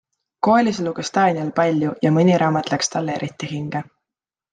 Koolis luges Daniel palju ja mõni raamat läks talle eriti hinge.